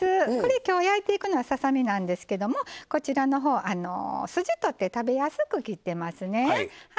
今日焼いていくのはささ身なんですけど筋とって食べやすく切ってますね。